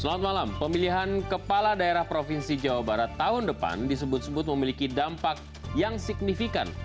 selamat malam pemilihan kepala daerah provinsi jawa barat tahun depan disebut sebut memiliki dampak yang signifikan